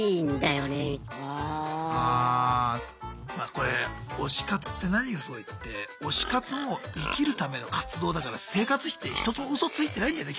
これ推し活って何がすごいって推し活も生きるための活動だから生活費って一つもウソついてないんだよね